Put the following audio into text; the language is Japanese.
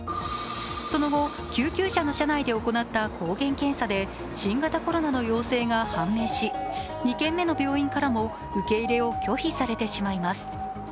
その後、救急車の車内で行った抗原検査で新型コロナの陽性が判明し２軒目の病院からも受け入れを拒否されてしまいます。